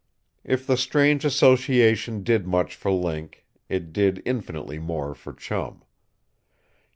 If the strange association did much for Link, it did infinitely more for Chum.